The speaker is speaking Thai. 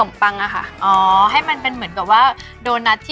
เออบางอย่างจะทำพิมพ์เองเลยเพราะว่าพิมพ์ไม่ทัน